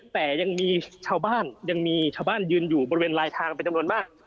แต่ยังมีชาวบ้านยืนอยู่บริเวณลายทางเป็นจำนวนมาก